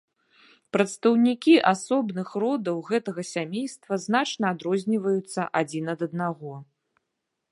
Прадстаўнікі асобных родаў гэтага сямейства значна адрозніваюцца адзін ад аднаго.